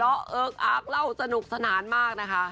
หัวละเอิร์กอักเล่าสนุกสนานมากนะคะ